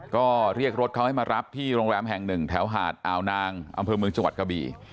ก็เรียกรถเขาให้มารับที่โรงแรมแห่งหนึ่งแถวหาดอ่าวนางอำเภอเมืองจังหวัดกะบี่